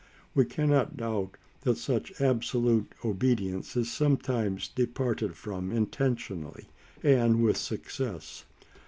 We cannot doubt that such absolute obedience is sometimes departed from intentionally and with success.